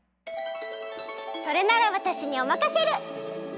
それならわたしにおまかシェル！